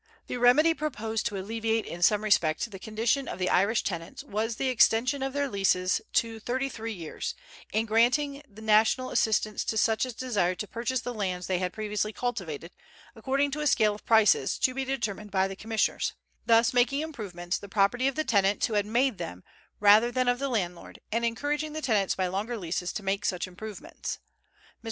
The remedy proposed to alleviate in some respect the condition of the Irish tenants was the extension of their leases to thirty three years, and the granting national assistance to such as desired to purchase the lands they had previously cultivated, according to a scale of prices to be determined by commissioners, thus making improvements the property of the tenants who had made them rather than of the landlord, and encouraging the tenants by longer leases to make such improvements. Mr.